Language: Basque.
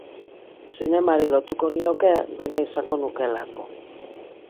Zinemari lotuko nioke, dena izango nukeelako.